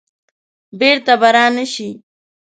بیرته به را نه شي.